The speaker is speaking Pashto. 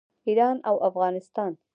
ایران او افغانستان.